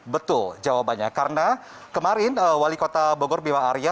betul jawabannya karena kemarin wali kota bogor bima arya